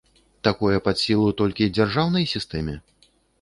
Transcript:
Такое пад сілу толькі дзяржаўнай сістэме?